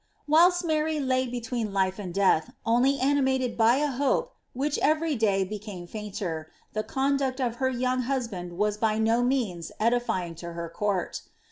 Whilst Mary lay between life and death, only animated by a hope which every day became fainter, the conduct of her young husband was by no means edifying to her court.